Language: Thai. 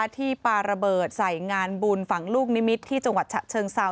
ที่ปาระเบิดใส่งานบุญฝั่งลูกนิมิตรที่จังหวัดฉะเชิงเซา